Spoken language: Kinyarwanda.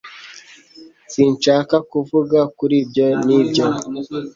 Sinshaka kuvuga kuri ibyo Nibyo